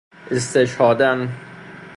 استشهاداً